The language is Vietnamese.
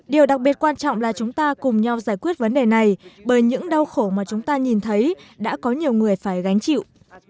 điều đặc biệt quan trọng là chúng ta cùng nhau giải quyết vấn đề này bởi những đau khổ mà chúng ta nhìn thấy đã có nhiều người phải gánh chịu